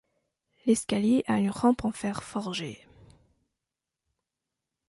L'escalier a une rampe en fer forgé.